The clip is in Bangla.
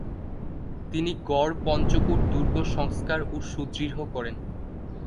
তিনি গড় পঞ্চকোট দুর্গ সংস্কার ও সুদৃঢ় করেন।